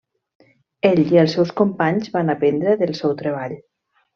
Ell i els seus companys van aprendre del seu treball.